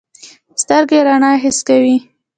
سترګې رڼا حس کوي.